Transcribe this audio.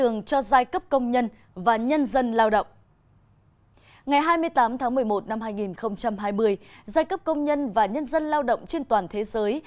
ngày hai mươi tám tháng một mươi một năm hai nghìn hai mươi giai cấp công nhân và nhân dân lao động trên toàn thế giới